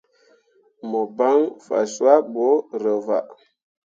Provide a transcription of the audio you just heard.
Mo ban fa cuah bo rǝwaa.